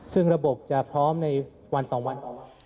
ซึ่งระบบจะพร้อมในวัน๒วันออก